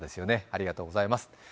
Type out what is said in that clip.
ありがとうございます。